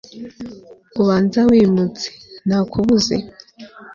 ubanza wimutse, nakubuze